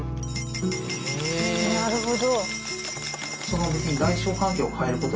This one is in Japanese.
なるほど。